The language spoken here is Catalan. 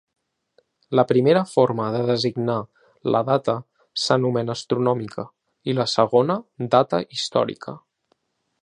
La primera forma de designar la data s'anomena astronòmica i la segona data històrica.